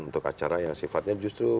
untuk acara yang sifatnya justru